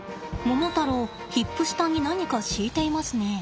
モモタロウヒップ下に何か敷いていますね。